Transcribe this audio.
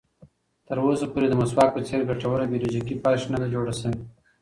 تر اوسه پورې د مسواک په څېر ګټوره بیولوژیکي فرش نه ده جوړه شوې.